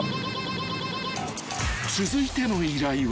［続いての依頼は］